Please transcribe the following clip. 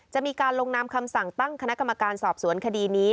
จะมีการลงนามคำสั่งตั้งคณะกรรมการสอบสวนคดีนี้